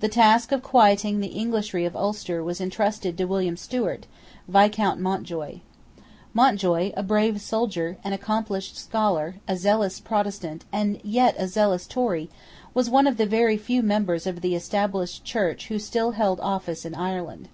The task of quieting the Englishry of Ulster was intrusted to William Stewart, Viscount Mountjoy. Mountjoy, a brave soldier, an accomplished scholar, a zealous Protestant, and yet a zealous Tory, was one of the very few members of the Established Church who still held office in Ireland.